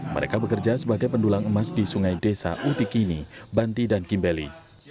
mereka bekerja sebagai pendulang emas di sungai desa utikini banti dan kimbeli